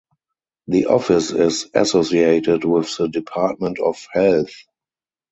The office is associated with the Department of Health.